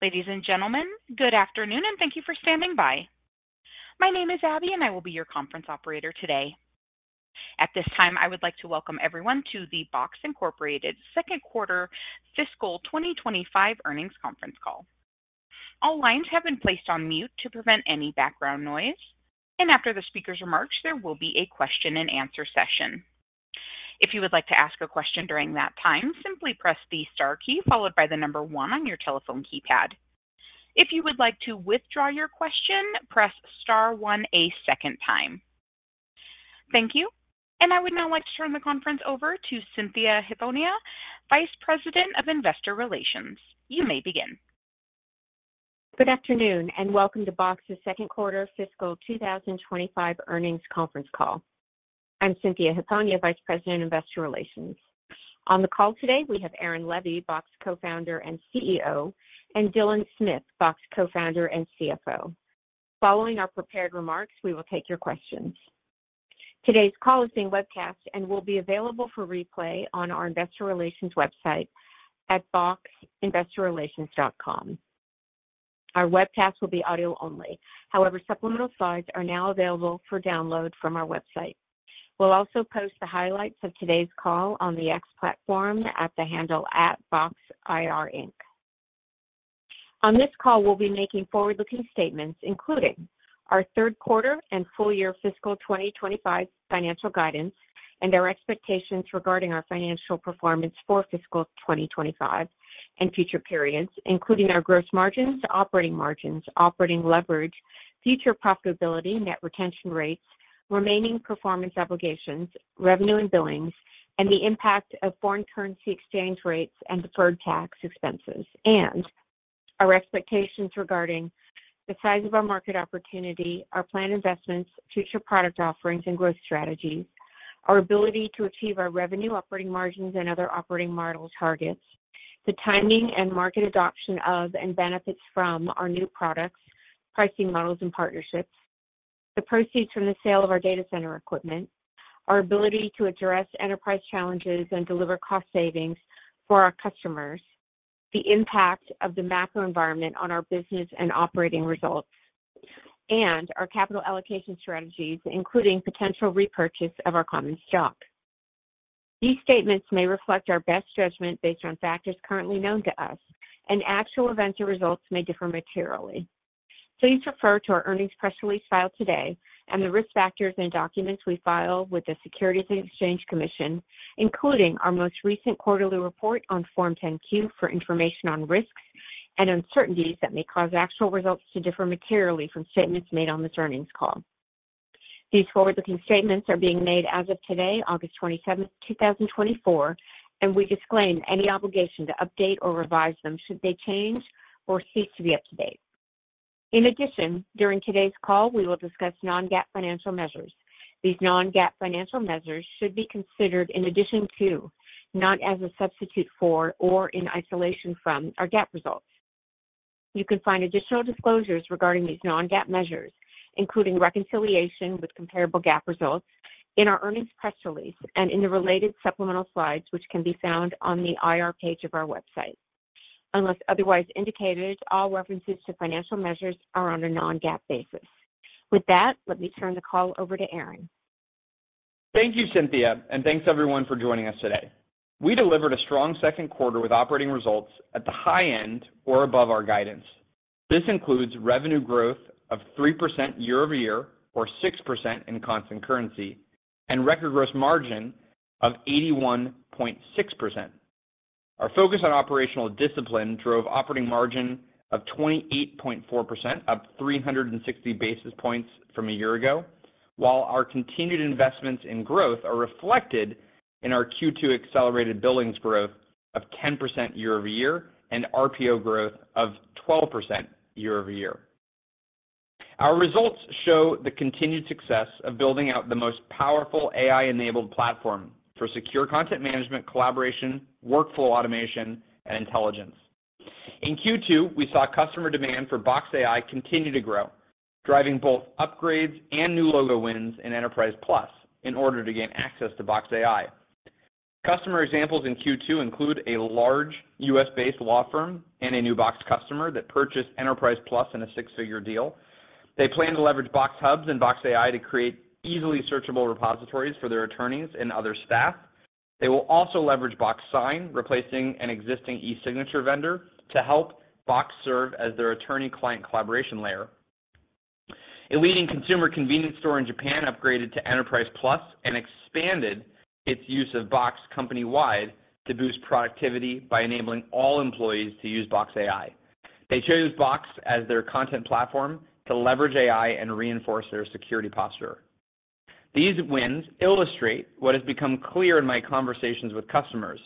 Ladies and gentlemen, good afternoon, and thank you for standing by. My name is Abby, and I will be your conference operator today. At this time, I would like to welcome everyone to the Box Incorporated Second Quarter Fiscal 2025 Earnings Conference Call. All lines have been placed on mute to prevent any background noise, and after the speaker's remarks, there will be a question-and-answer session. If you would like to ask a question during that time, simply press the Star key followed by the number one on your telephone keypad. If you would like to withdraw your question, press Star one a second time. Thank you, and I would now like to turn the conference over to Cynthia Hiponia, Vice President of Investor Relations. You may begin. Good afternoon, and welcome to Box's Second Quarter Fiscal 2025 Earnings Conference Call. I'm Cynthia Hiponia, Vice President, Investor Relations. On the call today, we have Aaron Levie, Box Co-founder and CEO, and Dylan Smith, Box Co-founder and CFO. Following our prepared remarks, we will take your questions. Today's call is being webcast and will be available for replay on our investor relations website at boxinvestorrelations.com. Our webcast will be audio only. However, supplemental slides are now available for download from our website. We'll also post the highlights of today's call on the X platform at the handle, @BoxIRInc. On this call, we'll be making forward-looking statements, including our third quarter and full year fiscal 2025 financial guidance and our expectations regarding our financial performance for fiscal 2025 and future periods, including our gross margins, operating margins, operating leverage, future profitability, net retention rates, remaining performance obligations, revenue and billings, and the impact of foreign currency exchange rates and deferred tax expenses, and our expectations regarding the size of our market opportunity, our planned investments, future product offerings, and growth strategies, our ability to achieve our revenue, operating margins, and other operating model targets, the timing and market adoption of and benefits from our new products, pricing models and partnerships, the proceeds from the sale of our data center equipment, our ability to address enterprise challenges and deliver cost savings for our customers, the impact of the macro environment on our business and operating results, and our capital allocation strategies, including potential repurchase of our common stock. These statements may reflect our best judgment based on factors currently known to us, and actual events or results may differ materially. Please refer to our earnings press release filed today and the risk factors and documents we file with the Securities and Exchange Commission, including our most recent quarterly report on Form 10-Q, for information on risks and uncertainties that may cause actual results to differ materially from statements made on this earnings call. These forward-looking statements are being made as of today, August 27th, 2024, and we disclaim any obligation to update or revise them should they change or cease to be up-to-date. In addition, during today's call, we will discuss non-GAAP financial measures. These non-GAAP financial measures should be considered in addition to, not as a substitute for, or in isolation from, our GAAP results. You can find additional disclosures regarding these non-GAAP measures, including reconciliation with comparable GAAP results in our earnings press release and in the related supplemental slides, which can be found on the IR page of our website. Unless otherwise indicated, all references to financial measures are on a non-GAAP basis. With that, let me turn the call over to Aaron. Thank you, Cynthia, and thanks everyone for joining us today. We delivered a strong second quarter with operating results at the high end or above our guidance. This includes revenue growth of 3% year-over-year, or 6% in constant currency, and record gross margin of 81.6%. Our focus on operational discipline drove operating margin of 28.4%, up 360 basis points from a year ago, while our continued investments in growth are reflected in our Q2 accelerated billings growth of 10% year-over-year and RPO growth of 12% year-over-year. Our results show the continued success of building out the most powerful AI-enabled platform for secure content management, collaboration, workflow automation, and intelligence. In Q2, we saw customer demand for Box AI continue to grow, driving both upgrades and new logo wins in Enterprise Plus in order to gain access to Box AI. Customer examples in Q2 include a large U.S.-based law firm and a new Box customer that purchased Enterprise Plus in a six-figure deal. They plan to leverage Box Hubs and Box AI to create easily searchable repositories for their attorneys and other staff. They will also leverage Box Sign, replacing an existing e-signature vendor, to help Box serve as their attorney-client collaboration layer. A leading consumer convenience store in Japan upgraded to Enterprise Plus and expanded its use of Box company-wide to boost productivity by enabling all employees to use Box AI. They chose Box as their content platform to leverage AI and reinforce their security posture. These wins illustrate what has become clear in my conversations with customers,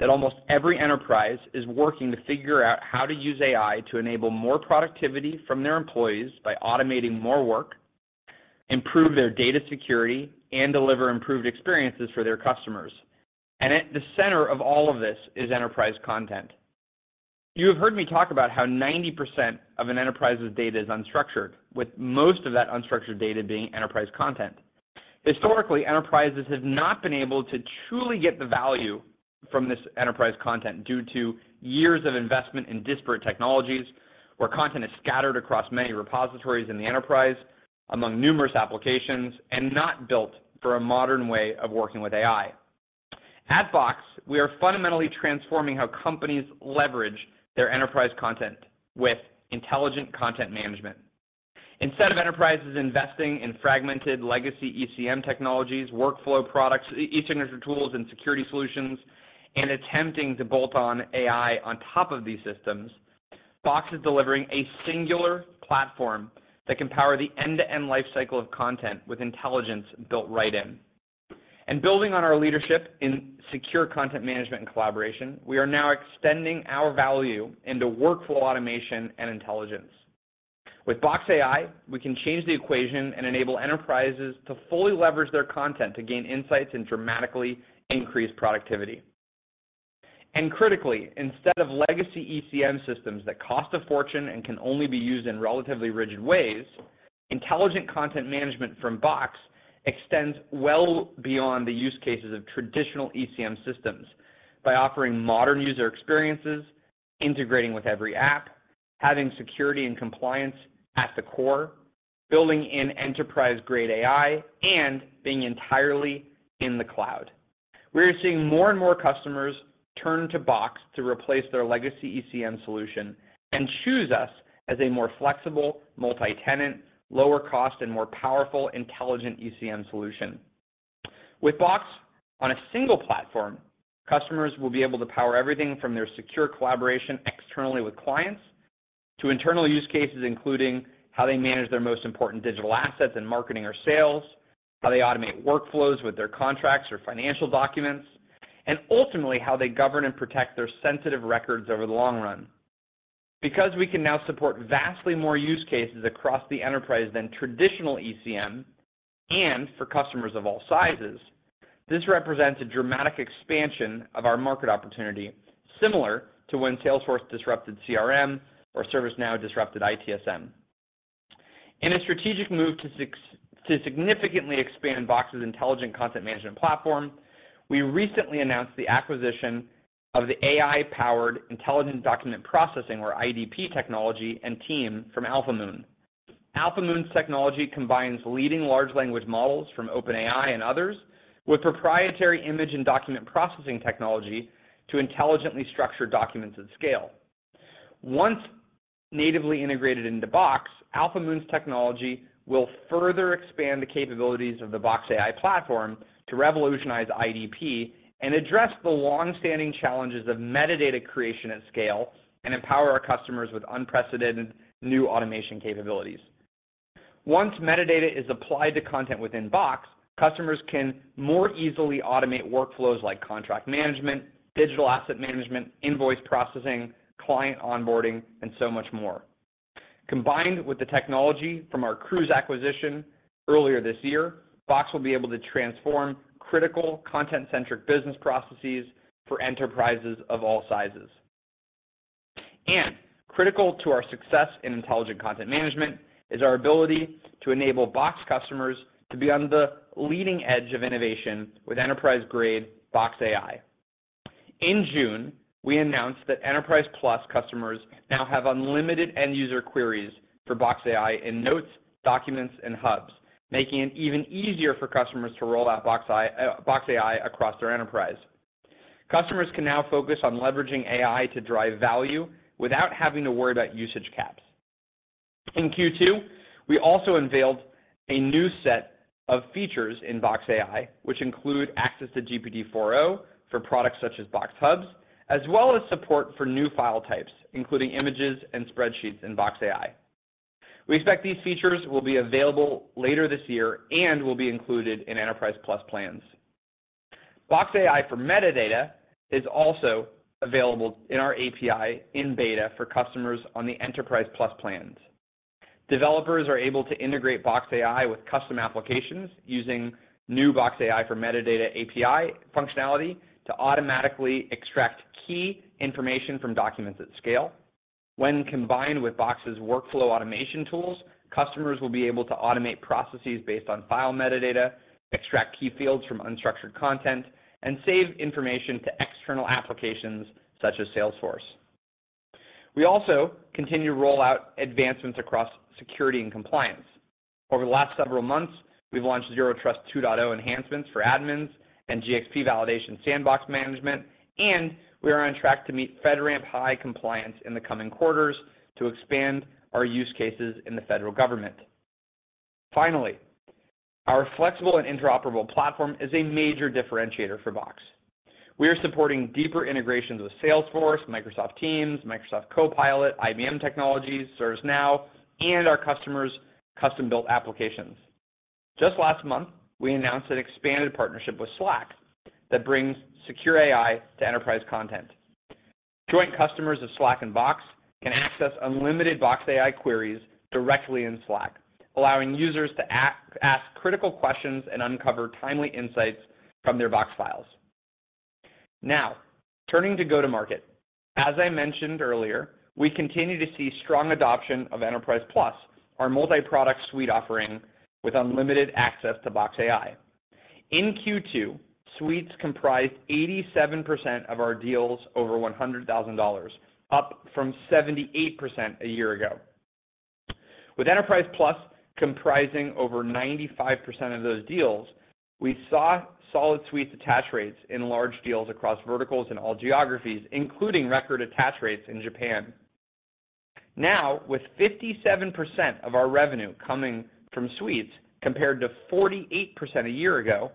that almost every enterprise is working to figure out how to use AI to enable more productivity from their employees by automating more work, improve their data security, and deliver improved experiences for their customers. And at the center of all of this is enterprise content. You have heard me talk about how 90% of an enterprise's data is unstructured, with most of that unstructured data being enterprise content. Historically, enterprises have not been able to truly get the value from this enterprise content due to years of investment in disparate technologies, where content is scattered across many repositories in the enterprise, among numerous applications, and not built for a modern way of working with AI. At Box, we are fundamentally transforming how companies leverage their enterprise content with intelligent content management. Instead of enterprises investing in fragmented legacy ECM technologies, workflow products, e-signature tools, and security solutions, and attempting to bolt on AI on top of these systems, Box is delivering a singular platform that can power the end-to-end life cycle of content with intelligence built right in. And building on our leadership in secure content management and collaboration, we are now extending our value into workflow automation and intelligence. With Box AI, we can change the equation and enable enterprises to fully leverage their content to gain insights and dramatically increase productivity. Critically, instead of legacy ECM systems that cost a fortune and can only be used in relatively rigid ways, intelligent content management from Box extends well beyond the use cases of traditional ECM systems by offering modern user experiences, integrating with every app, having security and compliance at the core, building in enterprise-grade AI, and being entirely in the cloud. We are seeing more and more customers turn to Box to replace their legacy ECM solution and choose us as a more flexible, multi-tenant, lower cost, and more powerful intelligent ECM solution. With Box, on a single platform, customers will be able to power everything from their secure collaboration externally with clients, to internal use cases, including how they manage their most important digital assets in marketing or sales, how they automate workflows with their contracts or financial documents, and ultimately, how they govern and protect their sensitive records over the long run. Because we can now support vastly more use cases across the enterprise than traditional ECM, and for customers of all sizes, this represents a dramatic expansion of our market opportunity, similar to when Salesforce disrupted CRM or ServiceNow disrupted ITSM. In a strategic move to significantly expand Box's intelligent content management platform, we recently announced the acquisition of the AI-powered intelligent document processing, or IDP, technology and team from Alphamoon. Alphamoon's technology combines leading large language models from OpenAI and others, with proprietary image and document processing technology to intelligently structure documents at scale. Once natively integrated into Box, Alphamoon's technology will further expand the capabilities of the Box AI platform to revolutionize IDP and address the long-standing challenges of metadata creation at scale, and empower our customers with unprecedented new automation capabilities. Once metadata is applied to content within Box, customers can more easily automate workflows like contract management, digital asset management, invoice processing, client onboarding, and so much more. Combined with the technology from our Crooze acquisition earlier this year, Box will be able to transform critical content-centric business processes for enterprises of all sizes, and critical to our success in intelligent content management is our ability to enable Box customers to be on the leading edge of innovation with enterprise-grade Box AI. In June, we announced that Enterprise Plus customers now have unlimited end-user queries for Box AI in notes, documents, and hubs, making it even easier for customers to roll out Box AI across their enterprise. Customers can now focus on leveraging AI to drive value without having to worry about usage caps. In Q2, we also unveiled a new set of features in Box AI, which include access to GPT-4o for products such as Box Hubs, as well as support for new file types, including images and spreadsheets in Box AI. We expect these features will be available later this year and will be included in Enterprise Plus plans. Box AI for metadata is also available in our API in beta for customers on the Enterprise Plus plans. Developers are able to integrate Box AI with custom applications using new Box AI for metadata API functionality to automatically extract key information from documents at scale. When combined with Box's workflow automation tools, customers will be able to automate processes based on file metadata, extract key fields from unstructured content, and save information to external applications such as Salesforce. We also continue to roll out advancements across security and compliance. Over the last several months, we've launched Zero Trust 2.0 enhancements for admins and GxP validation sandbox management, and we are on track to meet FedRAMP High compliance in the coming quarters to expand our use cases in the federal government. Finally, our flexible and interoperable platform is a major differentiator for Box. We are supporting deeper integrations with Salesforce, Microsoft Teams, Microsoft Copilot, IBM Technologies, ServiceNow, and our customers' custom-built applications. Just last month, we announced an expanded partnership with Slack that brings secure AI to enterprise content. Joint customers of Slack and Box can access unlimited Box AI queries directly in Slack, allowing users to ask critical questions and uncover timely insights from their Box files. Now, turning to go-to-market. As I mentioned earlier, we continue to see strong adoption of Enterprise Plus, our multi-product suite offering, with unlimited access to Box AI. In Q2, Suites comprised 87% of our deals over $100,000, up from 78% a year ago. With Enterprise Plus comprising over 95% of those deals, we saw solid suites attach rates in large deals across verticals and all geographies, including record attach rates in Japan. Now, with 57% of our revenue coming from Suites, compared to 48% a year ago,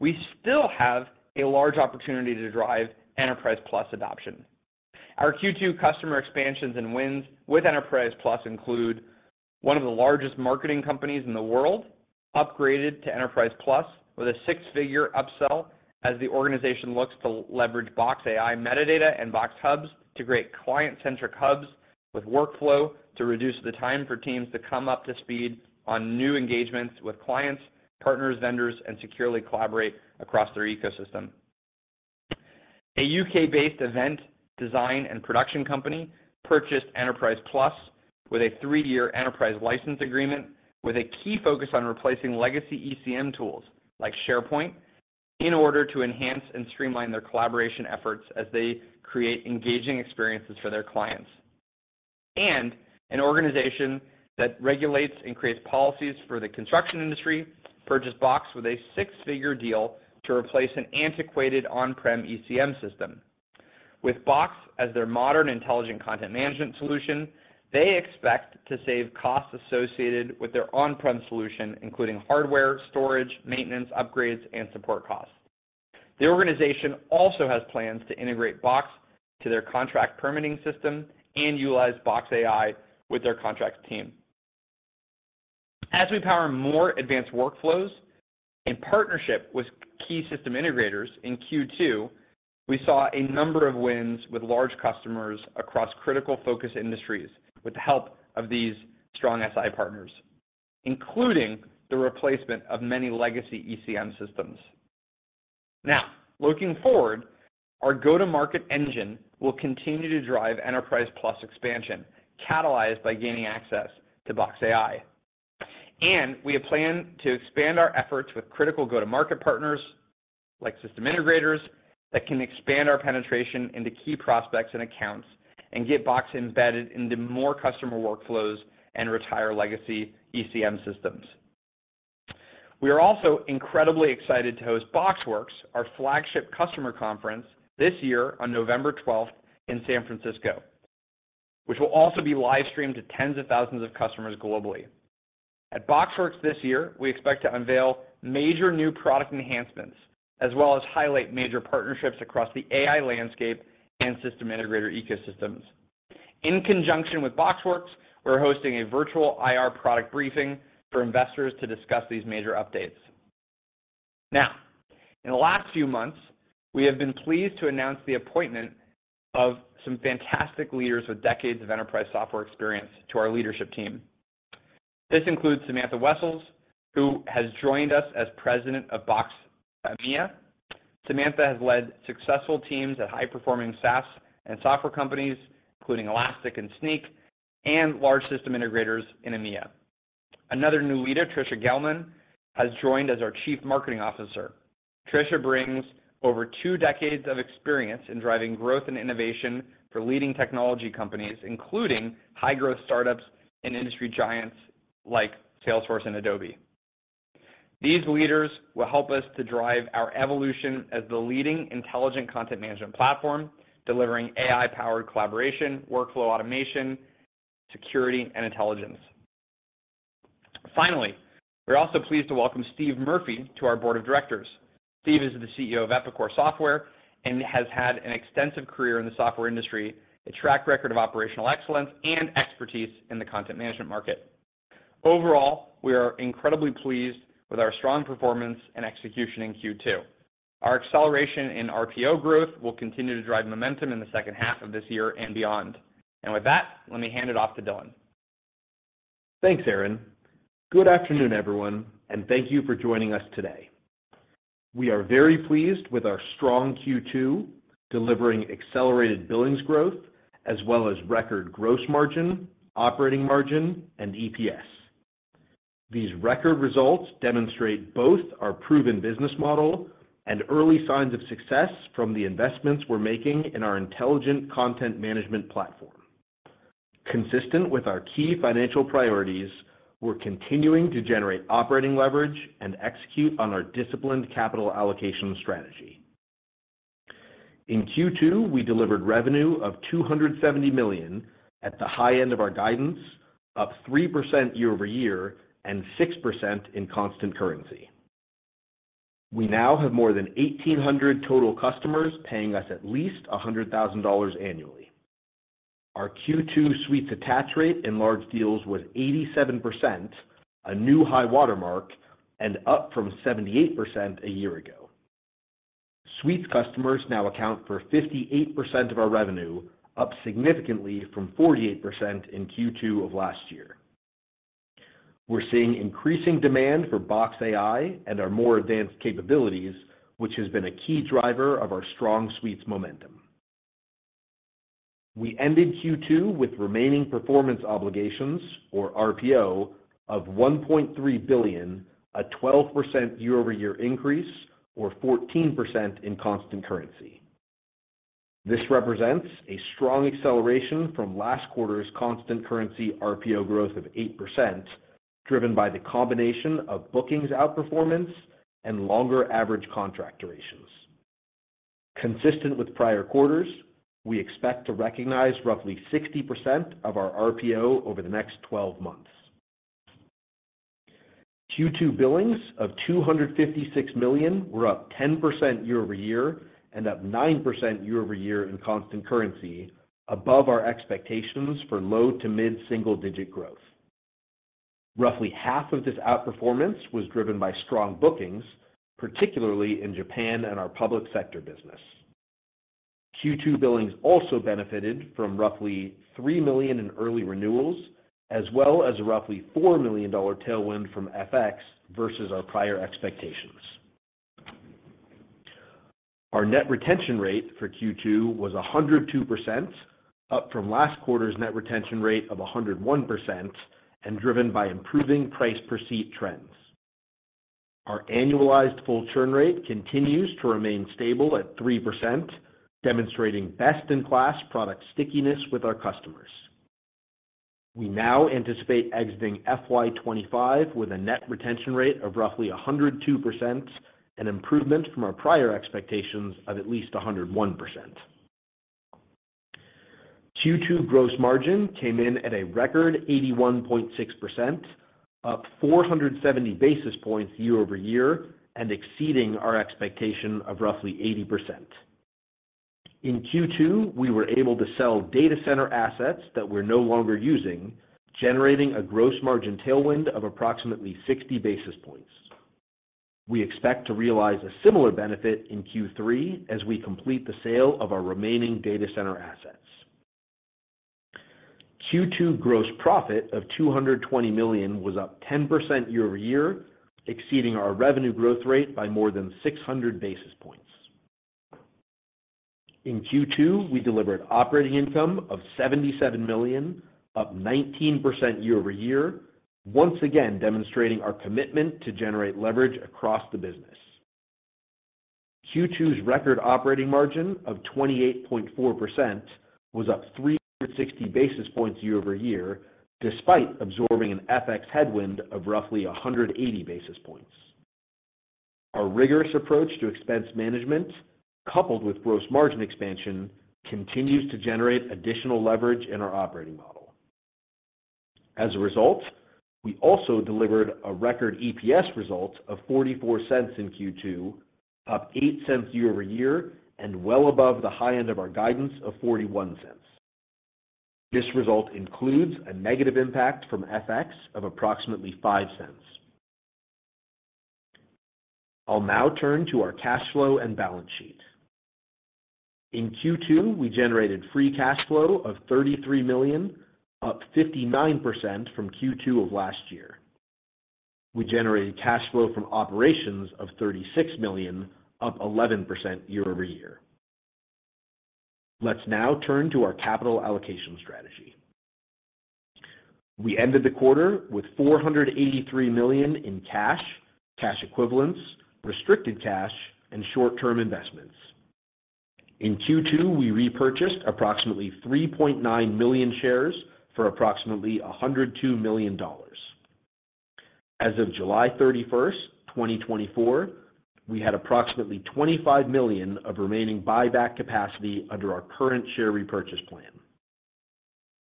we still have a large opportunity to drive Enterprise Plus adoption. Our Q2 customer expansions and wins with Enterprise Plus include one of the largest marketing companies in the world, upgraded to Enterprise Plus with a six-figure upsell as the organization looks to leverage Box AI metadata and Box Hubs to create client-centric hubs with workflow to reduce the time for teams to come up to speed on new engagements with clients, partners, vendors, and securely collaborate across their ecosystem. A UK-based event design and production company purchased Enterprise Plus with a three-year enterprise license agreement, with a key focus on replacing legacy ECM tools like SharePoint, in order to enhance and streamline their collaboration efforts as they create engaging experiences for their clients. An organization that regulates and creates policies for the construction industry purchased Box with a six-figure deal to replace an antiquated on-prem ECM system. With Box as their modern intelligent content management solution, they expect to save costs associated with their on-prem solution, including hardware, storage, maintenance, upgrades, and support costs. The organization also has plans to integrate Box to their contract permitting system and utilize Box AI with their contracts team. As we power more advanced workflows, in partnership with key system integrators in Q2, we saw a number of wins with large customers across critical focus industries, with the help of these strong SI partners, including the replacement of many legacy ECM systems. Now, looking forward, our go-to-market engine will continue to drive Enterprise Plus expansion, catalyzed by gaining access to Box AI. And we have planned to expand our efforts with critical go-to-market partners, like system integrators, that can expand our penetration into key prospects and accounts and get Box embedded into more customer workflows and retire legacy ECM systems. We are also incredibly excited to host BoxWorks, our flagship customer conference this year on November twelfth in San Francisco, which will also be live streamed to tens of thousands of customers globally. At BoxWorks this year, we expect to unveil major new product enhancements, as well as highlight major partnerships across the AI landscape and system integrator ecosystems. In conjunction with BoxWorks, we're hosting a virtual IR product briefing for investors to discuss these major updates. Now, in the last few months, we have been pleased to announce the appointment of some fantastic leaders with decades of enterprise software experience to our leadership team. This includes Samantha Wessels, who has joined us as President of Box EMEA. Samantha has led successful teams at high-performing SaaS and software companies, including Elastic and Snyk, and large system integrators in EMEA. Another new leader, Tricia Gellman, has joined as our Chief Marketing Officer. Tricia brings over two decades of experience in driving growth and innovation for leading technology companies, including high-growth startups and industry giants like Salesforce and Adobe. These leaders will help us to drive our evolution as the leading intelligent content management platform, delivering AI-powered collaboration, workflow automation, security, and intelligence. Finally, we're also pleased to welcome Steve Murphy to our board of directors. Steve is the CEO of Epicor Software and has had an extensive career in the software industry, a track record of operational excellence, and expertise in the content management market. Overall, we are incredibly pleased with our strong performance and execution in Q2. Our acceleration in RPO growth will continue to drive momentum in the second half of this year and beyond, and with that, let me hand it off to Dylan. Thanks, Aaron. Good afternoon, everyone, and thank you for joining us today. We are very pleased with our strong Q2, delivering accelerated billings growth, as well as record gross margin, operating margin, and EPS. These record results demonstrate both our proven business model and early signs of success from the investments we're making in our intelligent content management platform. Consistent with our key financial priorities, we're continuing to generate operating leverage and execute on our disciplined capital allocation strategy. In Q2, we delivered revenue of $270 million at the high end of our guidance, up 3% year-over-year and 6% in constant currency. We now have more than 1,800 total customers paying us at least $100,000 annually. Our Q2 suites attach rate in large deals was 87%, a new high watermark, and up from 78% a year ago. Suites customers now account for 58% of our revenue, up significantly from 48% in Q2 of last year. We're seeing increasing demand for Box AI and our more advanced capabilities, which has been a key driver of our strong suites momentum. We ended Q2 with remaining performance obligations, or RPO, of $1.3 billion, a 12% year-over-year increase, or 14% in constant currency. This represents a strong acceleration from last quarter's constant currency RPO growth of 8%, driven by the combination of bookings outperformance and longer average contract durations. Consistent with prior quarters, we expect to recognize roughly 60% of our RPO over the next 12 months. Q2 billings of $256 million were up 10% year-over-year and up 9% year-over-year in constant currency, above our expectations for low to mid-single-digit growth. Roughly half of this outperformance was driven by strong bookings, particularly in Japan and our public sector business. Q2 billings also benefited from roughly $3 million in early renewals, as well as a roughly $4 million tailwind from FX versus our prior expectations. Our net retention rate for Q2 was 102%, up from last quarter's net retention rate of 101%, and driven by improving price per seat trends. Our annualized full churn rate continues to remain stable at 3%, demonstrating best-in-class product stickiness with our customers. We now anticipate exiting FY 2025 with a net retention rate of roughly 102%, an improvement from our prior expectations of at least 101%. Q2 gross margin came in at a record 81.6%, up 470 basis points year-over-year, and exceeding our expectation of roughly 80%. In Q2, we were able to sell data center assets that we're no longer using, generating a gross margin tailwind of approximately 60 basis points. We expect to realize a similar benefit in Q3 as we complete the sale of our remaining data center assets. Q2 gross profit of $220 million was up 10% year-over-year, exceeding our revenue growth rate by more than 600 basis points. In Q2, we delivered operating income of $77 million, up 19% year-over-year, once again demonstrating our commitment to generate leverage across the business. Q2's record operating margin of 28.4% was up three hundred and sixty basis points year-over-year, despite absorbing an FX headwind of roughly a 180 basis points. Our rigorous approach to expense management, coupled with gross margin expansion, continues to generate additional leverage in our operating model. As a result, we also delivered a record EPS result of $0.44 in Q2, up $0.08 year-over-year, and well above the high end of our guidance of $0.41. This result includes a negative impact from FX of approximately $0.05. I'll now turn to our cash flow and balance sheet. In Q2, we generated free cash flow of $33 million, up 59% from Q2 of last year. We generated cash flow from operations of $36 million, up 11% year-over-year. Let's now turn to our capital allocation strategy. We ended the quarter with $483 million in cash, cash equivalents, restricted cash, and short-term investments. In Q2, we repurchased approximately 3.9 million shares for approximately $102 million. As of July 31st, 2024, we had approximately $25 million of remaining buyback capacity under our current share repurchase plan.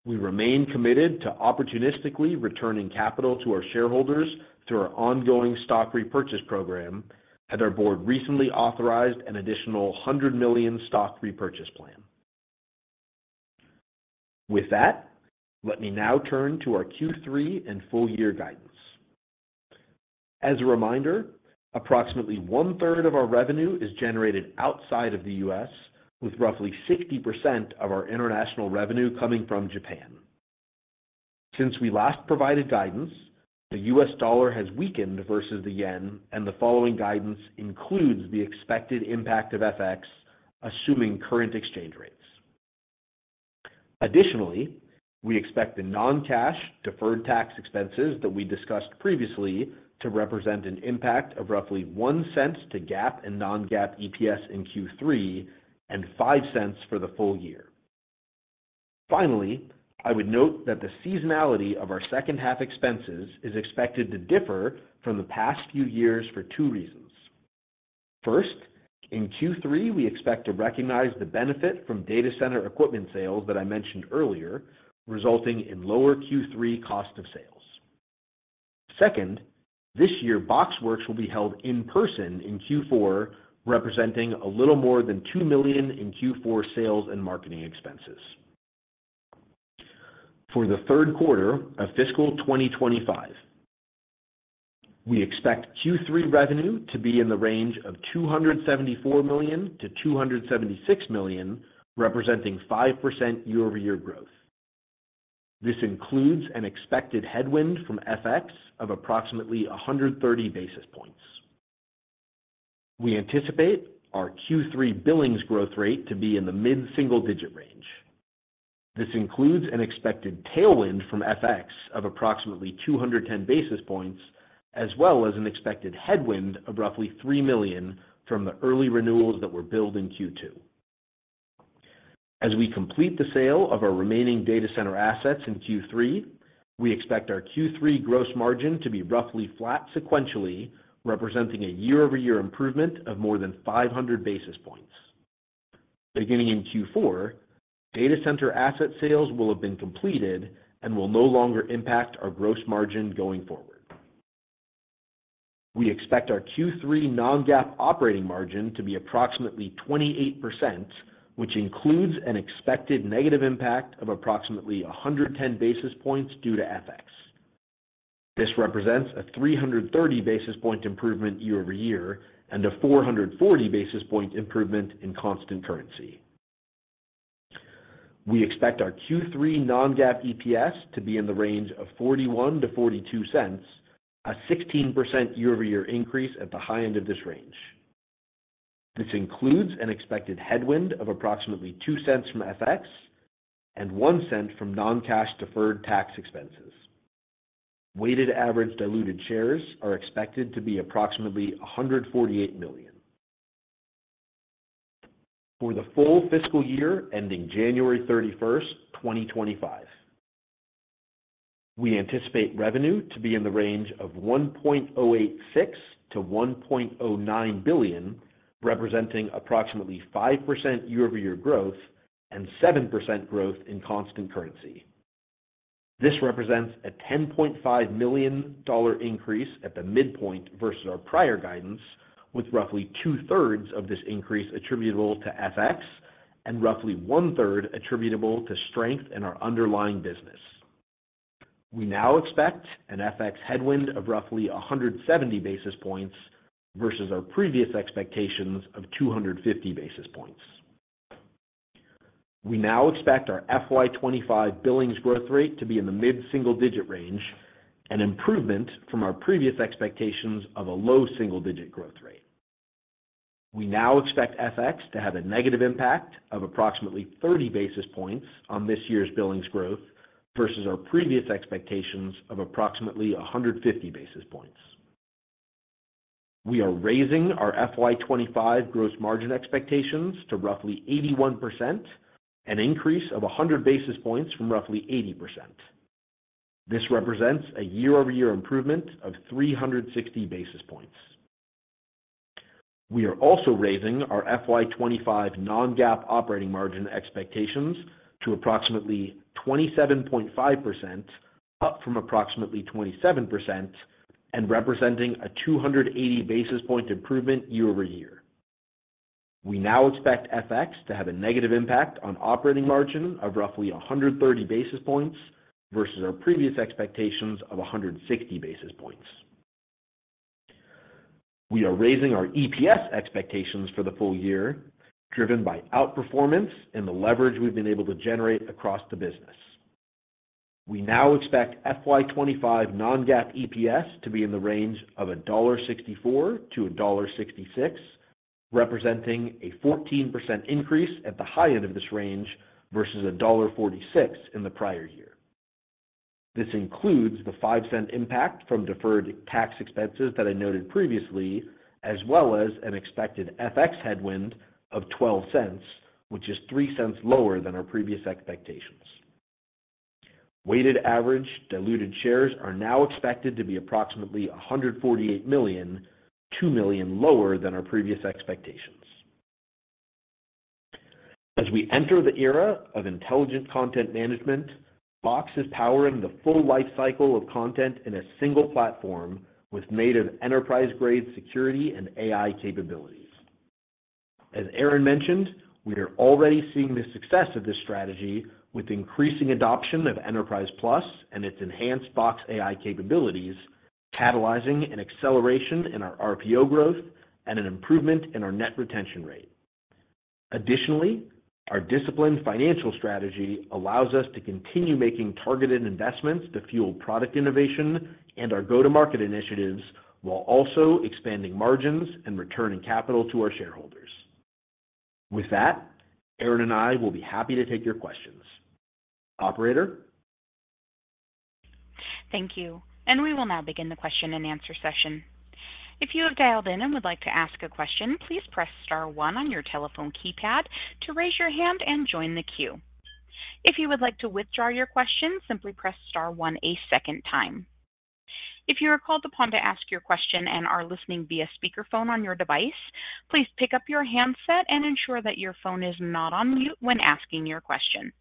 We remain committed to opportunistically returning capital to our shareholders through our ongoing stock repurchase program, and our board recently authorized an additional $100 million stock repurchase plan. With that, let me now turn to our Q3 and full year guidance. As a reminder, approximately 1/3 of our revenue is generated outside of the U.S., with roughly 60% of our international revenue coming from Japan. Since we last provided guidance, the U.S. dollar has weakened versus the yen, and the following guidance includes the expected impact of FX, assuming current exchange rates. Additionally, we expect the non-cash, deferred tax expenses that we discussed previously to represent an impact of roughly $0.01 to GAAP and non-GAAP EPS in Q3 and $0.05 for the full year. Finally, I would note that the seasonality of our second-half expenses is expected to differ from the past few years for two reasons. First, in Q3, we expect to recognize the benefit from data center equipment sales that I mentioned earlier, resulting in lower Q3 cost of sales. Second, this year, BoxWorks will be held in person in Q4, representing a little more than $2 million in Q4 sales and marketing expenses. For the third quarter of fiscal 2025-... We expect Q3 revenue to be in the range of $274 million-$276 million, representing 5% year-over-year growth. This includes an expected headwind from FX of approximately 130 basis points. We anticipate our Q3 billings growth rate to be in the mid-single-digit range. This includes an expected tailwind from FX of approximately 210 basis points, as well as an expected headwind of roughly $3 million from the early renewals that were billed in Q2. As we complete the sale of our remaining data center assets in Q3, we expect our Q3 gross margin to be roughly flat sequentially, representing a year-over-year improvement of more than 500 basis points. Beginning in Q4, data center asset sales will have been completed and will no longer impact our gross margin going forward. We expect our Q3 non-GAAP operating margin to be approximately 28%, which includes an expected negative impact of approximately 110 basis points due to FX. This represents a 330 basis point improvement year-over-year and a 440 basis point improvement in constant currency. We expect our Q3 non-GAAP EPS to be in the range of $0.41-$0.42, a 16% year-over-year increase at the high end of this range. This includes an expected headwind of approximately $0.02 from FX and $0.01 from non-cash deferred tax expenses. Weighted average diluted shares are expected to be approximately 148 million. For the full fiscal year, ending January 31st, 2025, we anticipate revenue to be in the range of $1.086 billion-$1.09 billion, representing approximately 5% year-over-year growth and 7% growth in constant currency. This represents a $10.5 million increase at the midpoint versus our prior guidance, with roughly 2/3 of this increase attributable to FX and roughly 1/3 attributable to strength in our underlying business. We now expect an FX headwind of roughly 170 basis points versus our previous expectations of 250 basis points. We now expect our FY 2025 billings growth rate to be in the mid-single-digit range, an improvement from our previous expectations of a low single-digit growth rate. We now expect FX to have a negative impact of approximately 30 basis points on this year's billings growth versus our previous expectations of approximately a 150 basis points. We are raising our FY 2025 gross margin expectations to roughly 81%, an increase of a 100 basis points from roughly 80%. This represents a year-over-year improvement of 360 basis points. We are also raising our FY 2025 non-GAAP operating margin expectations to approximately 27.5%, up from approximately 27% and representing a 280 basis point improvement year-over-year. We now expect FX to have a negative impact on operating margin of roughly a 130 basis points versus our previous expectations of a 160 basis points. We are raising our EPS expectations for the full year, driven by outperformance and the leverage we've been able to generate across the business. We now expect FY 2025 non-GAAP EPS to be in the range of $1.64-$1.66, representing a 14% increase at the high end of this range versus $1.46 in the prior year. This includes the $0.05 impact from deferred tax expenses that I noted previously, as well as an expected FX headwind of $0.12, which is $0.03 lower than our previous expectations. Weighted average diluted shares are now expected to be approximately 148 million, 2 million lower than our previous expectations. As we enter the era of intelligent content management, Box is powering the full life cycle of content in a single platform with native enterprise-grade security and AI capabilities. As Aaron mentioned, we are already seeing the success of this strategy with increasing adoption of Enterprise Plus and its enhanced Box AI capabilities, catalyzing an acceleration in our RPO growth and an improvement in our net retention rate. Additionally, our disciplined financial strategy allows us to continue making targeted investments to fuel product innovation and our go-to-market initiatives, while also expanding margins and returning capital to our shareholders. With that, Aaron and I will be happy to take your questions. Operator? Thank you, and we will now begin the question-and-answer session. If you have dialed in and would like to ask a question, please press Star one on your telephone keypad to raise your hand and join the queue. If you would like to withdraw your question, simply press Star one a second time. If you are called upon to ask your question and are listening via speakerphone on your device, please pick up your handset and ensure that your phone is not on mute when asking your question.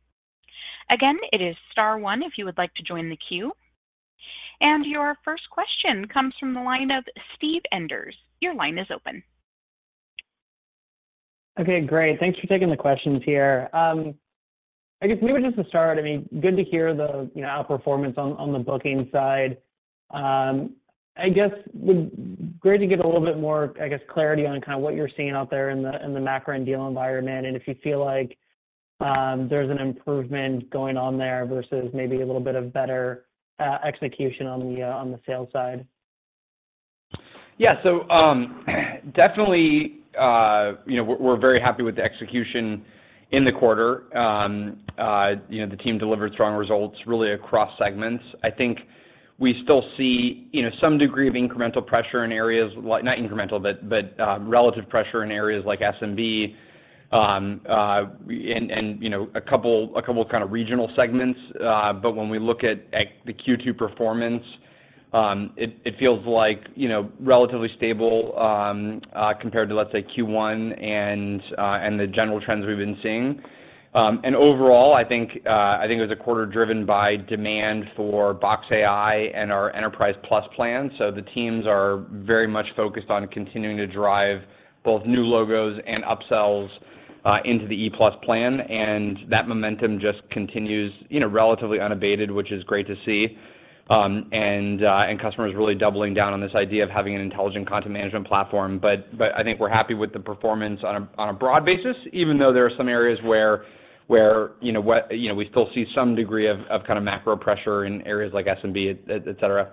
Again, it is Star one if you would like to join the queue, and your first question comes from the line of Steve Enders. Your line is open. Okay, great. Thanks for taking the questions here. I guess maybe just to start, I mean, good to hear the, you know, outperformance on the booking side. I guess great to get a little bit more, I guess, clarity on kind of what you're seeing out there in the macro and deal environment, and if you feel like, there's an improvement going on there versus maybe a little bit of better execution on the sales side. Yeah. So, definitely, you know, we're very happy with the execution in the quarter. You know, the team delivered strong results, really, across segments. I think we still see, you know, some degree of incremental pressure in areas like-- not incremental, but, relative pressure in areas like SMB, and, you know, a couple of kind of regional segments. But when we look at the Q2 performance, it feels like, you know, relatively stable, compared to, let's say, Q1 and the general trends we've been seeing. And overall, I think it was a quarter driven by demand for Box AI and our Enterprise Plus plan. So the teams are very much focused on continuing to drive both new logos and upsells into the E Plus plan, and that momentum just continues, you know, relatively unabated, which is great to see. And customers really doubling down on this idea of having an intelligent content management platform. But I think we're happy with the performance on a broad basis, even though there are some areas where you know we still see some degree of kind of macro pressure in areas like SMB, et cetera.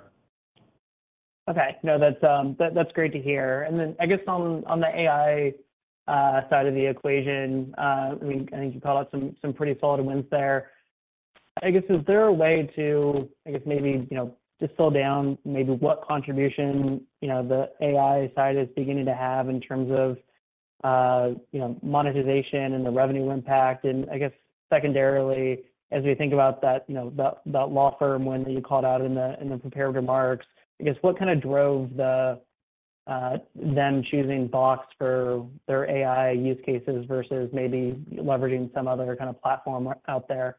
Okay. No, that's great to hear. And then I guess on the AI side of the equation, I mean, I think you called out some pretty solid wins there. I guess, is there a way to, I guess maybe, you know, just slow down maybe what contribution, you know, the AI side is beginning to have in terms of, you know, monetization and the revenue impact? And I guess secondarily, as we think about that, you know, that law firm, when you called out in the prepared remarks, I guess, what kind of drove them choosing Box for their AI use cases versus maybe leveraging some other kind of platform out there?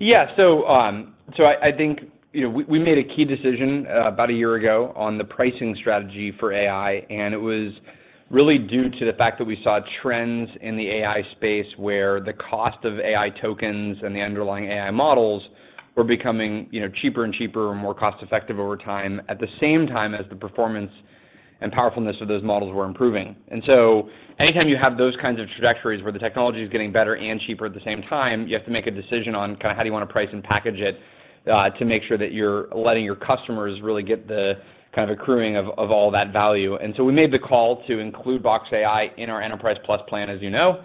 Yeah, so I think, you know, we made a key decision about a year ago on the pricing strategy for AI, and it was really due to the fact that we saw trends in the AI space, where the cost of AI tokens and the underlying AI models were becoming, you know, cheaper and cheaper and more cost-effective over time, at the same time as the performance and powerfulness of those models were improving, and so anytime you have those kinds of trajectories where the technology is getting better and cheaper at the same time, you have to make a decision on kind of how do you want to price and package it, to make sure that you're letting your customers really get the kind of accruing of all that value. And so we made the call to include Box AI in our Enterprise Plus plan, as you know,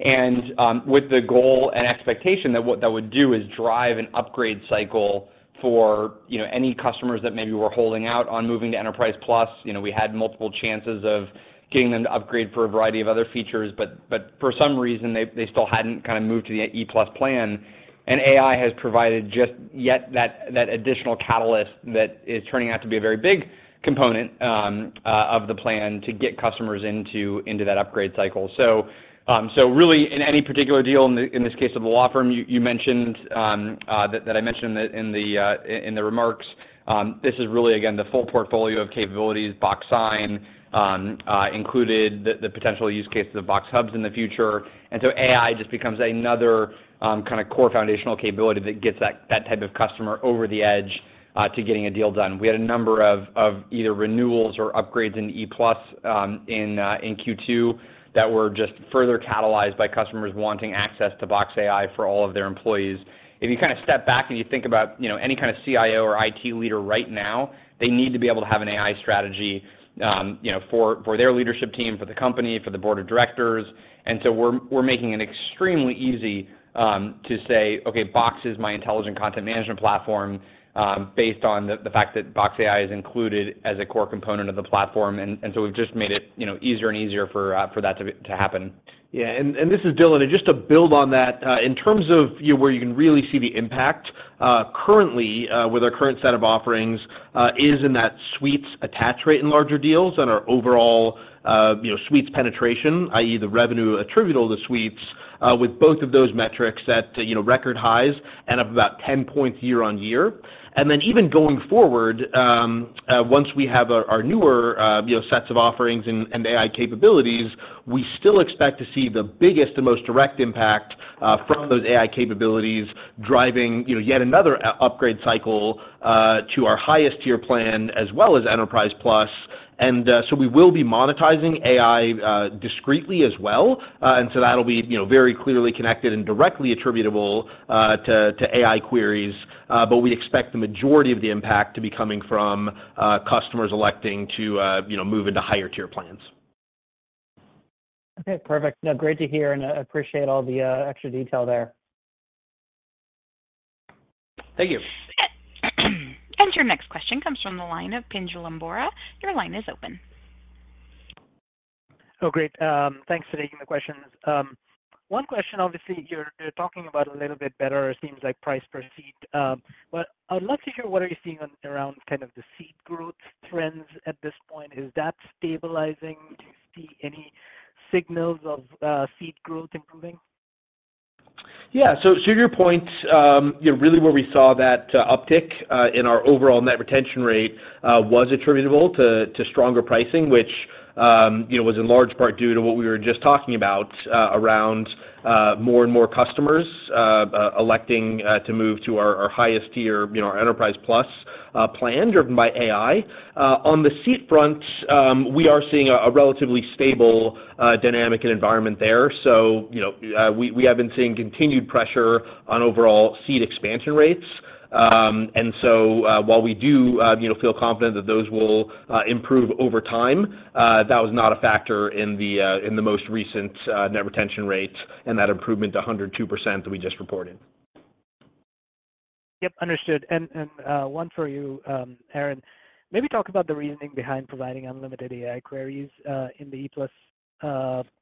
and with the goal and expectation that what that would do is drive an upgrade cycle for, you know, any customers that maybe were holding out on moving to Enterprise Plus. You know, we had multiple chances of getting them to upgrade for a variety of other features, but for some reason, they still hadn't kind of moved to the E Plus plan. And AI has provided just yet that additional catalyst that is turning out to be a very big component of the plan to get customers into that upgrade cycle. So really, in any particular deal, in this case of the law firm, you mentioned that I mentioned in the remarks, this is really, again, the full portfolio of capabilities. Box Sign included the potential use cases of Box Hubs in the future. And so AI just becomes another kind of core foundational capability that gets that type of customer over the edge to getting a deal done. We had a number of either renewals or upgrades in E Plus in Q2 that were just further catalyzed by customers wanting access to Box AI for all of their employees. If you kind of step back and you think about, you know, any kind of CIO or IT leader right now, they need to be able to have an AI strategy, you know, for their leadership team, for the company, for the board of directors. And so we're making it extremely easy, to say, "Okay, Box is my intelligent content management platform," based on the fact that Box AI is included as a core component of the platform. And so we've just made it, you know, easier and easier for that to happen. Yeah, and this is Dylan. And just to build on that, in terms of where you can really see the impact, currently, with our current set of offerings, is in that suites attach rate in larger deals and our overall, you know, suites penetration, i.e., the revenue attributable to suites, with both of those metrics at, you know, record highs and up about 10 points year-on-year. And then even going forward, once we have our newer, you know, sets of offerings and AI capabilities, we still expect to see the biggest and most direct impact, from those AI capabilities driving, you know, yet another upgrade cycle, to our highest tier plan, as well as Enterprise Plus. And so we will be monetizing AI, discreetly as well. And so that'll be, you know, very clearly connected and directly attributable to AI queries. But we expect the majority of the impact to be coming from customers electing to, you know, move into higher-tier plans. Okay, perfect. No, great to hear, and I appreciate all the extra detail there. Thank you. Your next question comes from the line of Pinjalim Bora. Your line is open. Oh, great. Thanks for taking the questions. One question, obviously, you're talking about a little bit better, it seems like price per seat. But I'd love to hear what are you seeing around kind of the seat growth trends at this point. Is that stabilizing? Do you see any signals of seat growth improving? Yeah, so to your point, you know, really where we saw that uptick in our overall net retention rate was attributable to stronger pricing, which, you know, was in large part due to what we were just talking about, around more and more customers electing to move to our highest tier, you know, our Enterprise Plus plan, driven by AI. On the seat front, we are seeing a relatively stable dynamic and environment there. You know, we have been seeing continued pressure on overall seat expansion rates. And so, while we do, you know, feel confident that those will improve over time, that was not a factor in the most recent net retention rates and that improvement to 102% that we just reported. Yep, understood. And one for you, Aaron. Maybe talk about the reasoning behind providing unlimited AI queries in the E Plus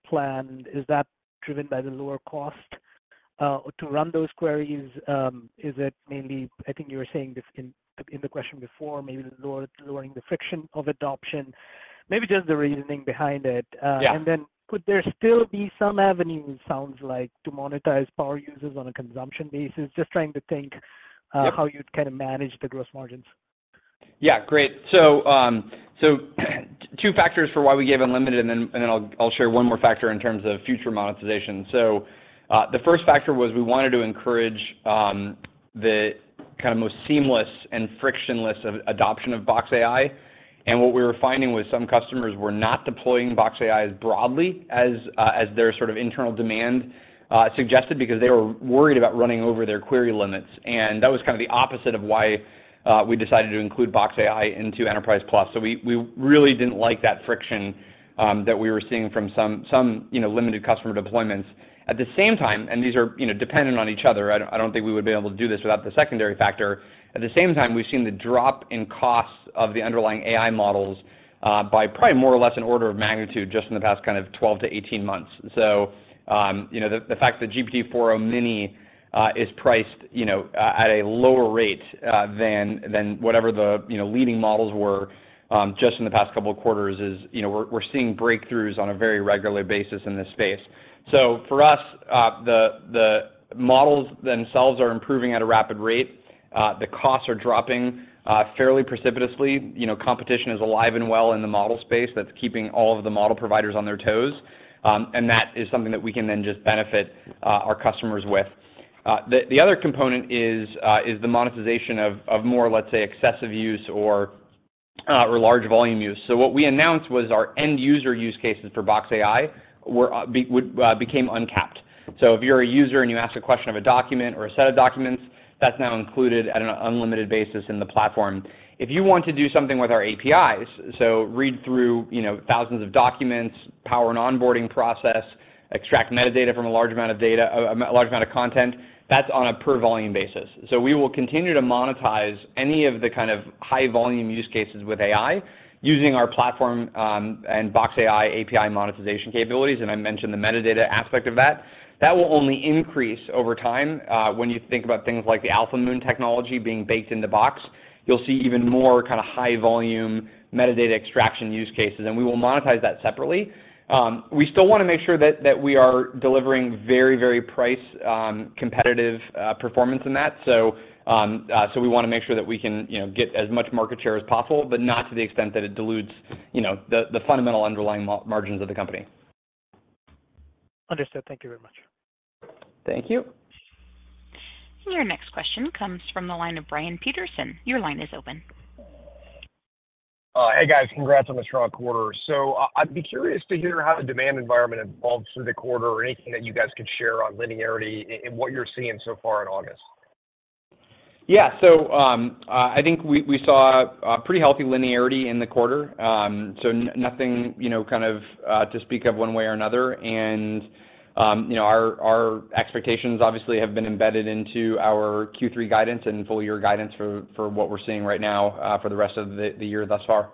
plan. Is that driven by the lower cost to run those queries? Is it mainly? I think you were saying this in the question before, maybe lowering the friction of adoption, maybe just the reasoning behind it. Yeah. And then could there still be some avenue, it sounds like, to monetize power users on a consumption basis? Just trying to think, how you'd kinda manage the gross margins. Yeah, great. So, two factors for why we gave unlimited, and then I'll share one more factor in terms of future monetization. So, the first factor was we wanted to encourage the kind of most seamless and frictionless adoption of Box AI. And what we were finding was some customers were not deploying Box AI as broadly as their sort of internal demand suggested, because they were worried about running over their query limits. And that was kind of the opposite of why we decided to include Box AI into Enterprise Plus. So we really didn't like that friction that we were seeing from some, you know, limited customer deployments. At the same time, and these are, you know, dependent on each other, I don't think we would be able to do this without the secondary factor. At the same time, we've seen the drop in costs of the underlying AI models by probably more or less an order of magnitude just in the past, kind of 12-18 months. So, you know, the fact that GPT-4o Mini is priced, you know, at a lower rate than whatever the, you know, leading models were just in the past couple of quarters is. You know, we're seeing breakthroughs on a very regular basis in this space. So for us, the models themselves are improving at a rapid rate. The costs are dropping fairly precipitously. You know, competition is alive and well in the model space. That's keeping all of the model providers on their toes, and that is something that we can then just benefit our customers with. The other component is the monetization of more, let's say, excessive use or large volume use. So what we announced was our end user use cases for Box AI were would became uncapped. So if you're a user and you ask a question of a document or a set of documents, that's now included at an unlimited basis in the platform. If you want to do something with our APIs, so read through, you know, thousands of documents, power an onboarding process, extract metadata from a large amount of data, a large amount of content, that's on a per volume basis. We will continue to monetize any of the kind of high-volume use cases with AI, using our platform, and Box AI API monetization capabilities, and I mentioned the metadata aspect of that. That will only increase over time. When you think about things like the Alphamoon technology being baked into Box, you'll see even more kinda high volume metadata extraction use cases, and we will monetize that separately. We still wanna make sure that we are delivering very, very price competitive performance in that. We wanna make sure that we can, you know, get as much market share as possible, but not to the extent that it dilutes, you know, the fundamental underlying margins of the company. Understood. Thank you very much. Thank you. Your next question comes from the line of Brian Peterson. Your line is open. Hey, guys, congrats on the strong quarter, so I'd be curious to hear how the demand environment evolved through the quarter, or anything that you guys could share on linearity and what you're seeing so far in August. Yeah. So I think we saw a pretty healthy linearity in the quarter. Nothing, you know, kind of, to speak of one way or another, you know, our expectations obviously have been embedded into our Q3 guidance and full year guidance for what we're seeing right now, for the rest of the year thus far.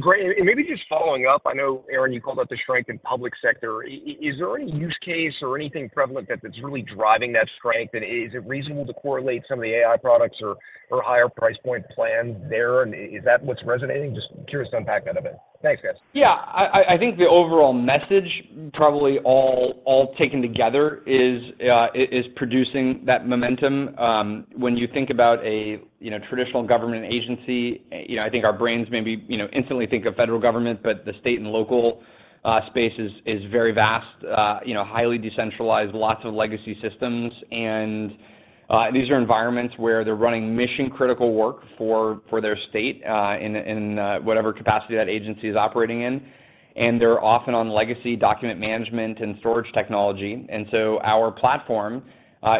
Great. And maybe just following up, I know, Aaron, you called out the strength in public sector. Is there any use case or anything prevalent that's really driving that strength, and is it reasonable to correlate some of the AI products or higher price point plans there, and is that what's resonating? Just curious to unpack that a bit. Thanks, guys. Yeah. I think the overall message, probably all taken together, is producing that momentum. When you think about a, you know, traditional government agency, you know, I think our brains maybe, you know, instantly think of federal government, but the state and local space is very vast, you know, highly decentralized, lots of legacy systems. And these are environments where they're running mission-critical work for their state, in whatever capacity that agency is operating in. And they're often on legacy document management and storage technology. And so our platform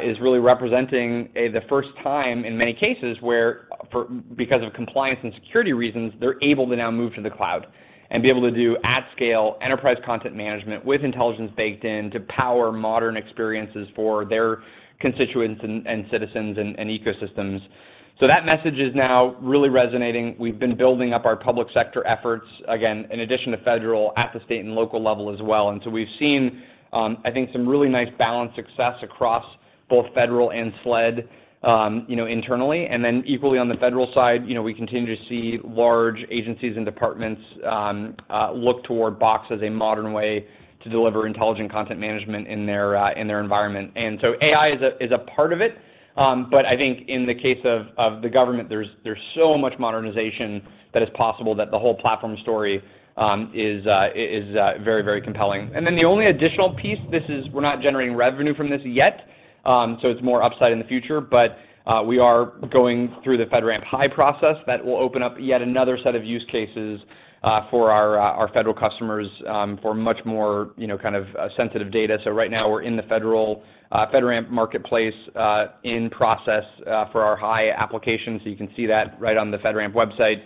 is really representing a... the first time, in many cases, where, because of compliance and security reasons, they're able to now move to the cloud and be able to do at-scale enterprise content management with intelligence baked in, to power modern experiences for their constituents and citizens and ecosystems. So that message is now really resonating. We've been building up our public sector efforts, again, in addition to federal, at the state and local level as well. And so we've seen, I think, some really nice balanced success across both federal and SLED, you know, internally. And then equally on the federal side, you know, we continue to see large agencies and departments, look toward Box as a modern way to deliver intelligent content management in their environment. And so AI is a part of it, but I think in the case of the government, there's so much modernization that is possible that the whole platform story is very, very compelling. And then the only additional piece, this is. We're not generating revenue from this yet, so it's more upside in the future, but, we are going through the FedRAMP High process. That will open up yet another set of use cases, for our federal customers, for much more, you know, kind of sensitive data. So right now, we're in the federal FedRAMP marketplace, in process for our High application. So you can see that right on the FedRAMP website,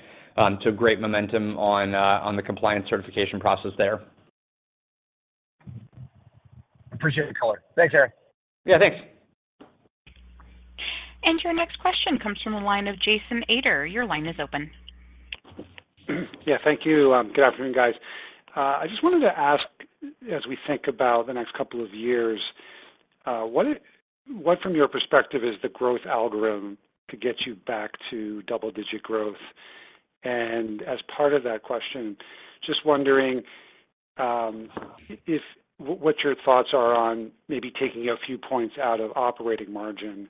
so great momentum on the compliance certification process there. Appreciate the color. Thanks, Aaron. Yeah, thanks. And your next question comes from the line of Jason Ader. Your line is open. Yeah, thank you. Good afternoon, guys. I just wanted to ask, as we think about the next couple of years, what from your perspective is the growth algorithm to get you back to double-digit growth? And as part of that question, just wondering, if what your thoughts are on maybe taking a few points out of operating margin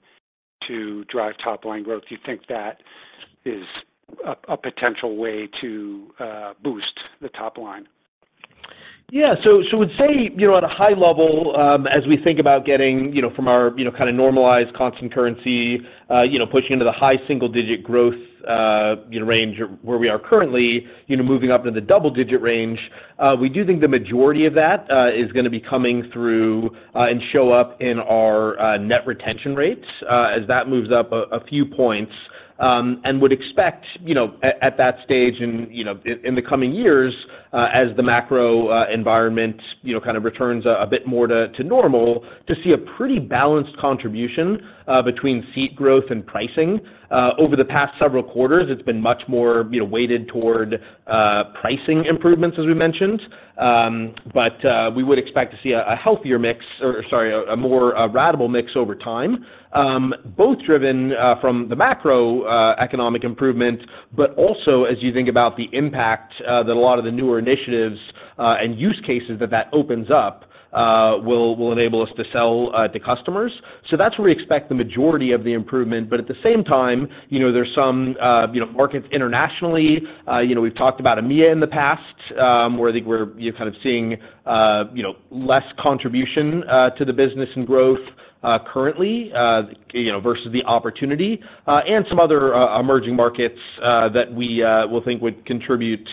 to drive top line growth. Do you think that is a potential way to boost the top line? Yeah. So would say, you know, at a high level, as we think about getting, you know, from our, you know, kinda normalized constant currency, you know, pushing into the high single digit growth, you know, range where we are currently, you know, moving up into the double digit range, we do think the majority of that is gonna be coming through and show up in our net retention rates as that moves up a few points. And would expect, you know, at that stage in the coming years, as the macro environment, you know, kind of returns a bit more to normal, to see a pretty balanced contribution between seat growth and pricing. Over the past several quarters, it's been much more, you know, weighted toward pricing improvements, as we mentioned, but we would expect to see a healthier mix, or sorry, a more ratable mix over time, both driven from the macroeconomic improvement, but also as you think about the impact that a lot of the newer initiatives and use cases that that opens up will enable us to sell to customers, so that's where we expect the majority of the improvement, but at the same time, you know, there's some you know markets internationally. You know, we've talked about EMEA in the past, where I think we're, you know, kind of seeing you know less contribution to the business and growth currently you know versus the opportunity. and some other, emerging markets, that we, will think would contribute, you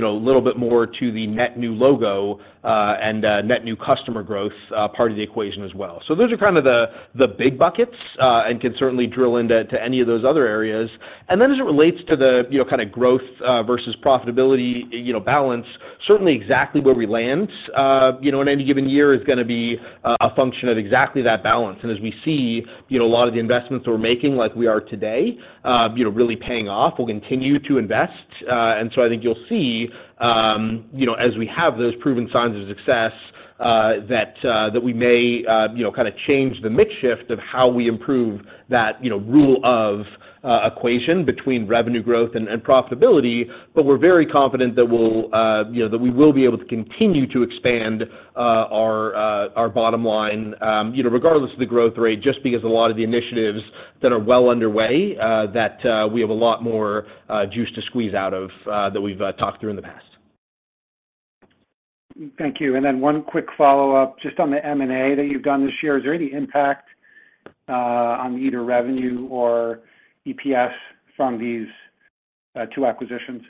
know, a little bit more to the net new logo, and, net new customer growth, part of the equation as well. So those are kind of the big buckets, and can certainly drill into any of those other areas. And then as it relates to the, you know, kind of growth, versus profitability, you know, balance, certainly exactly where we land, you know, in any given year is gonna be a function of exactly that balance. And as we see, you know, a lot of the investments we're making, like we are today, you know, really paying off, we'll continue to invest. And so I think you'll see, you know, as we have those proven signs of success, that we may, you know, kinda change the mix shift of how we improve that, you know, rule of equation between revenue growth and profitability. But we're very confident that we'll, you know, that we will be able to continue to expand our bottom line, you know, regardless of the growth rate, just because a lot of the initiatives that are well underway, that we have a lot more juice to squeeze out of, that we've talked through in the past. Thank you. And then one quick follow-up, just on the M&A that you've done this year. Is there any impact on either revenue or EPS from these two acquisitions?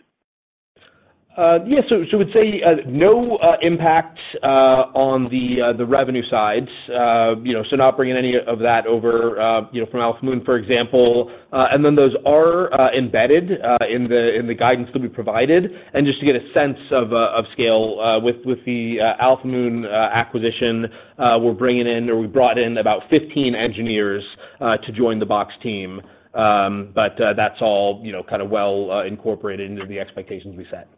Yes. So, so would say, no, impact, on the, the revenue sides. You know, so not bringing any of that over, you know, from Alphamoon, for example. And then those are, embedded, in the guidance that we provided. And just to get a sense of, of scale, with, with the, Alphamoon, acquisition, we're bringing in or we brought in about 15 engineers, to join the Box team. But, that's all, you know, kind of well, incorporated into the expectations we set.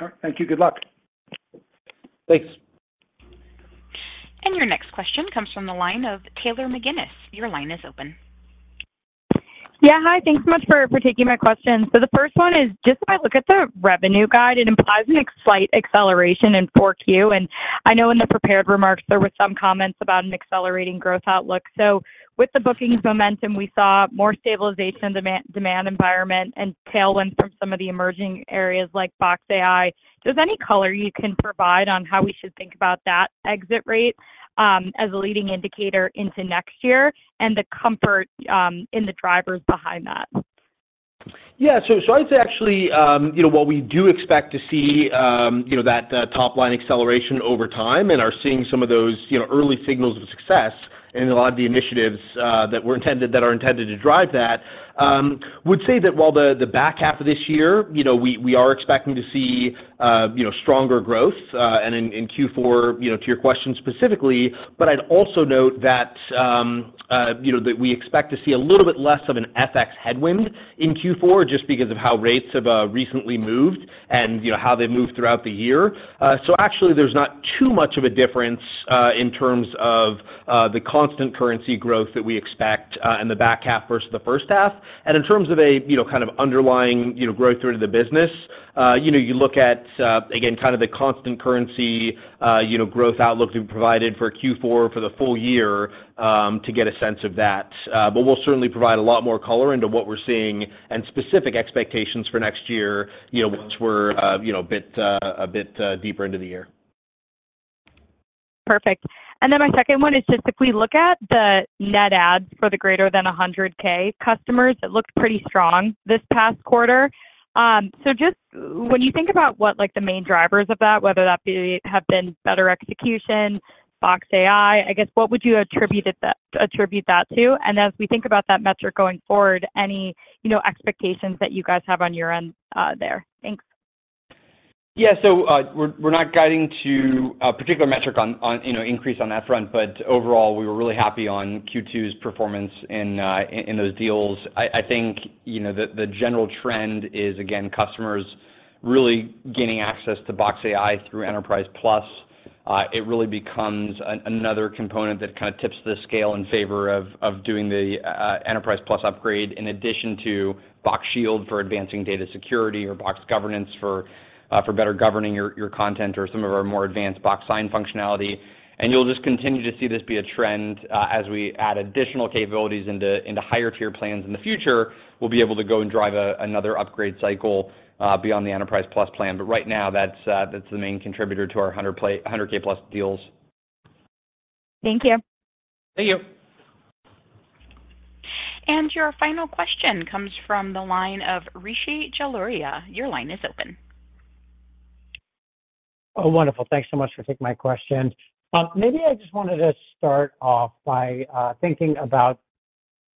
All right. Thank you. Good luck. Thanks. And your next question comes from the line of Taylor McGinnis. Your line is open. Yeah, hi. Thanks so much for taking my question. So the first one is, just when I look at the revenue guide, it implies a slight acceleration in Q4. And I know in the prepared remarks, there were some comments about an accelerating growth outlook. So with the bookings momentum we saw, more stable demand environment and tailwind from some of the emerging areas like Box AI. So is any color you can provide on how we should think about that exit rate as a leading indicator into next year, and the comfort in the drivers behind that? Yeah. So I'd say actually, you know, while we do expect to see, you know, that top line acceleration over time and are seeing some of those, you know, early signals of success in a lot of the initiatives that are intended to drive that, would say that while the back half of this year, you know, we are expecting to see, you know, stronger growth and in Q4, you know, to your question specifically. But I'd also note that, you know, that we expect to see a little bit less of an FX headwind in Q4 just because of how rates have recently moved and, you know, how they've moved throughout the year. So actually, there's not too much of a difference in terms of the constant currency growth that we expect in the back half versus the first half. And in terms of, you know, kind of underlying, you know, growth through the business you know, you look at, again, kind of the constant currency, you know, growth outlook we've provided for Q4 for the full year, to get a sense of that. But we'll certainly provide a lot more color into what we're seeing and specific expectations for next year, you know, once we're, you know, a bit deeper into the year. Perfect. And then my second one is just, if we look at the net adds for the greater than 100K customers, it looked pretty strong this past quarter. So just when you think about what, like, the main drivers of that, whether that be, have been better execution, Box AI, I guess, what would you attribute that to? And as we think about that metric going forward, any, you know, expectations that you guys have on your end, there? Thanks. Yeah. So, we're not guiding to a particular metric on, you know, increase on that front, but overall, we were really happy on Q2's performance in those deals. I think, you know, the general trend is, again, customers really gaining access to Box AI through Enterprise Plus. It really becomes another component that kinda tips the scale in favor of doing the Enterprise Plus upgrade, in addition to Box Shield for advancing data security or Box Governance for better governing your content or some of our more advanced Box Sign functionality. And you'll just continue to see this be a trend, as we add additional capabilities into higher tier plans in the future, we'll be able to go and drive another upgrade cycle beyond the Enterprise Plus plan. But right now, that's the main contributor to our 100K-plus deals. Thank you. Thank you. And your final question comes from the line of Rishi Jaluria. Your line is open. Oh, wonderful. Thanks so much for taking my question. Maybe I just wanted to start off by thinking about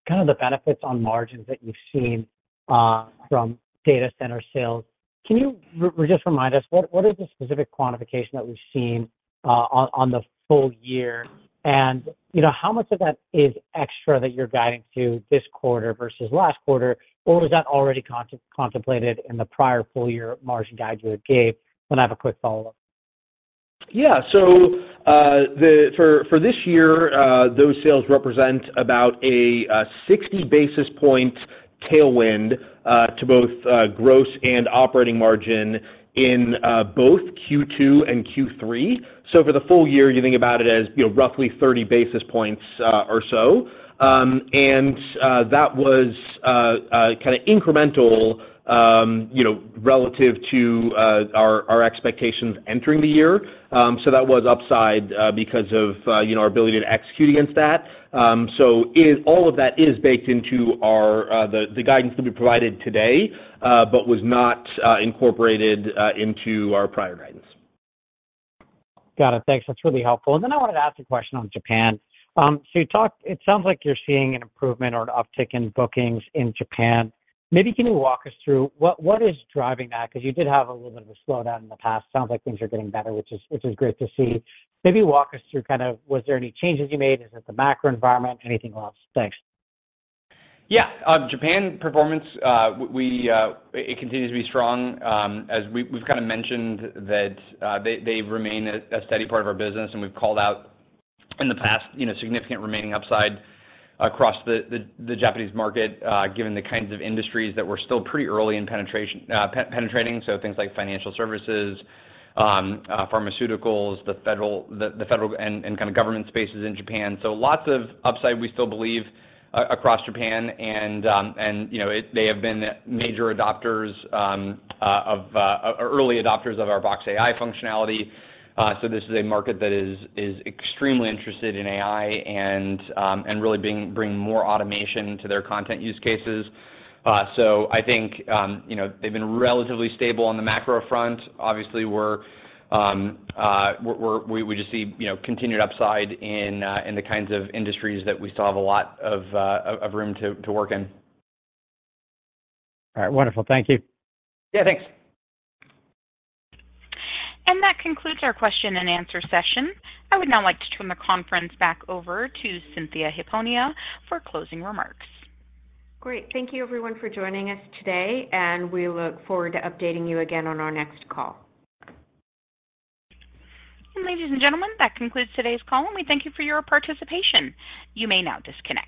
kind of the benefits on margins that you've seen from data center sales. Can you just remind us, what is the specific quantification that we've seen on the full year? And, you know, how much of that is extra that you're guiding to this quarter versus last quarter, or is that already contemplated in the prior full year margin guide you gave? Then I have a quick follow-up. Yeah. So for this year, those sales represent about a 60 basis point tailwind to both gross and operating margin in both Q2 and Q3. So for the full year, you think about it as, you know, roughly 30 basis points or so. And that was kinda incremental, you know, relative to our expectations entering the year. So that was upside because of, you know, our ability to execute against that. So all of that is baked into our guidance that we provided today, but was not incorporated into our prior guidance. Got it. Thanks. That's really helpful. And then I wanted to ask a question on Japan. So you talked. It sounds like you're seeing an improvement or an uptick in bookings in Japan. Maybe can you walk us through what is driving that? Because you did have a little bit of a slowdown in the past. Sounds like things are getting better, which is great to see. Maybe walk us through kind of, was there any changes you made? Is it the macro environment, anything else? Thanks. Yeah. Japan performance, we, it continues to be strong. As we've kind of mentioned that, they've remained a steady part of our business, and we've called out in the past, you know, significant remaining upside across the Japanese market, given the kinds of industries that we're still pretty early in penetrating. So things like financial services, pharmaceuticals, the federal and kind of government spaces in Japan. So lots of upside, we still believe, across Japan. And, you know, they have been major adopters, early adopters of our Box AI functionality. So this is a market that is extremely interested in AI and really bringing more automation to their content use cases. So I think, you know, they've been relatively stable on the macro front. Obviously, we just see, you know, continued upside in the kinds of industries that we still have a lot of room to work in. All right. Wonderful. Thank you. Yeah, thanks. That concludes our question and answer session. I would now like to turn the conference back over to Cynthia Hiponia for closing remarks. Great. Thank you, everyone, for joining us today, and we look forward to updating you again on our next call. Ladies and gentlemen, that concludes today's call, and we thank you for your participation. You may now disconnect.